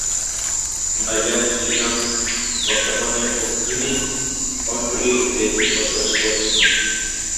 মারিয়া Jelinek বর্তমানে Oakville, অন্টারিওতে বসবাস করছেন।